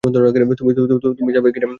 তুমি যাবে কি না!